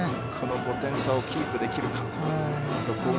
５点差をキープできるか。